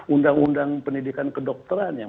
undang undang pendidikan kedokteran yang